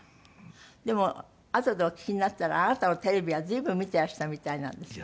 でもあとでお聞きになったらあなたのテレビは随分見てらしたみたいなんですって？